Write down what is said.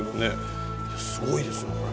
すごいですねこれ。